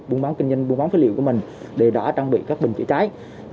buôn bán kinh doanh buôn bán phế liệu của mình đều đã trang bị các bình chữa cháy